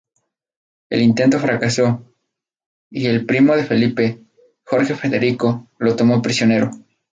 El intento fracasó, y el primo de Felipe, Jorge Federico lo tomó prisionero.